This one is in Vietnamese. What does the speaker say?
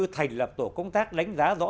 thành lập tổ công tác đánh giá rõ